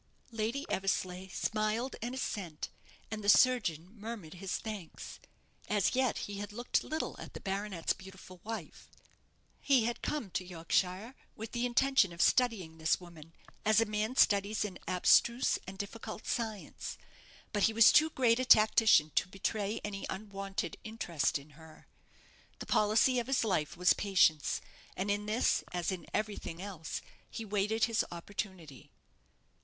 Lady Eversleigh smiled an assent, and the surgeon murmured his thanks. As yet he had looked little at the baronet's beautiful wife. He had come to Yorkshire with the intention of studying this woman as a man studies an abstruse and difficult science; but he was too great a tactician to betray any unwonted interest in her. The policy of his life was patience, and in this as in everything else, he waited his opportunity.